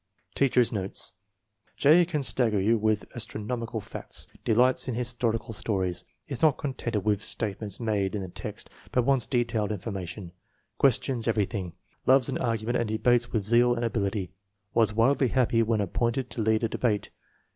Teacher's notes. " J. can stagger you with astro nomical facts. Delights in historical stories. Is not contented with statements made in the text, but wants detailed information. Questions everything; loves an argument and debates with zeal and ability. Was wildly happy when appointed to lead a debate.